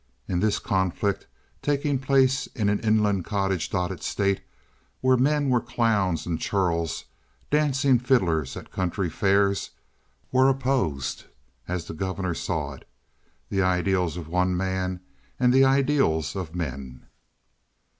In this conflict—taking place in an inland cottage dotted state where men were clowns and churls, dancing fiddlers at country fairs—were opposed, as the governor saw it, the ideals of one man and the ideals of men.